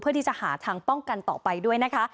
เพื่อที่จะหาทางป้องกันต่อไปด้วยนะคะ